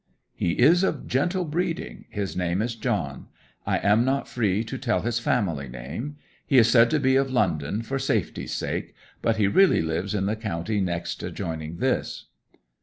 'He is of gentle breeding his name is John. I am not free to tell his family name. He is said to be of London, for safety' sake; but he really lives in the county next adjoining this.'